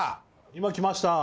今来ました。